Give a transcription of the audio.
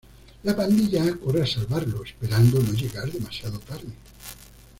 La pandilla corre a salvarlo, esperando no llegar demasiado tarde.